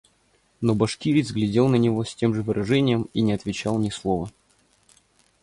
Но башкирец глядел на него с тем же выражением и не отвечал ни слова.